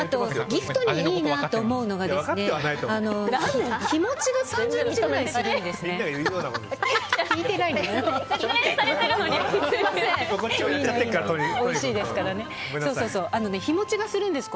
ギフトにいいなと思うのが日持ちが３０日くらいするんです。